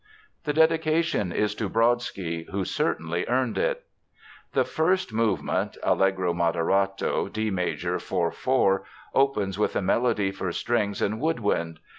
The dedication is to Brodsky, who certainly earned it. The first movement (Allegro moderato, D major, 4 4), opens with a melody for strings and woodwind.